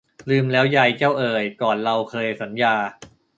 ลืมแล้วไยเจ้าเอย ก่อนเราเคยสัญญา